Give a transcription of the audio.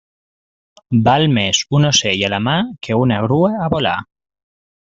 Val més un ocell a la mà que una grua a volar.